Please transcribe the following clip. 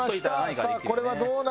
さあこれはどうなるんだ？